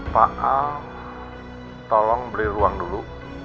pak al tolong beli ruang dulu